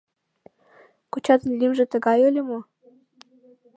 Кочатын лӱмжӧ тыгай ыле мо?